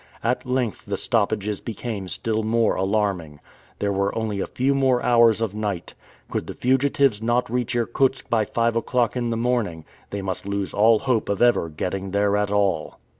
At length the stoppages became still more alarming. There were only a few more hours of night. Could the fugitives not reach Irkutsk by five o'clock in the morning, they must lose all hope of ever getting there at all.